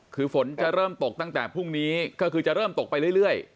คือฝนจะเริ่มตกตั้งแต่พรุ่งนี้ก็คือจะเริ่มตกไปเรื่อย